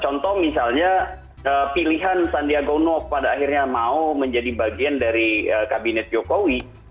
contoh misalnya pilihan sandiaga uno pada akhirnya mau menjadi bagian dari kabinet jokowi